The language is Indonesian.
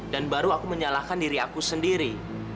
dan baru aku menyalahkan diri aku sendiri